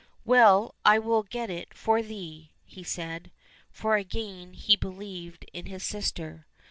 —" Well, I will get it for thee," said he. For again he believed in his sister.